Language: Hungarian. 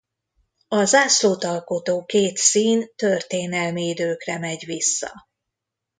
A zászlót alkotó két szín történelmi időkre megy vissza.